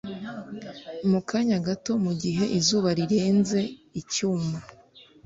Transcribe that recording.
mu kanya gato mugihe izuba rirenze; icyuma